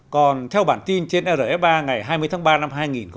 còn theo bản tin trên rfa ngày hai mươi tháng ba năm hai nghìn một mươi sáu